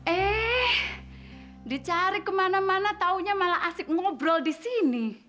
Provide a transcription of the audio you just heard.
eh dicari kemana mana taunya malah asik ngobrol di sini